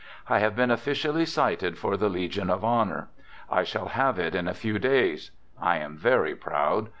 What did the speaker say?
I have been officially cited for the legion of honor. I shall have it in a few days. I am very proud.